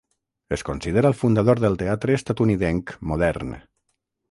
Es considera el fundador del teatre estatunidenc modern.